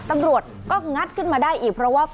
ตำรวจก็งัดขึ้นมาได้อีกเพราะว่า